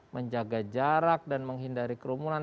menjaga jarak dan menghindari kerumunan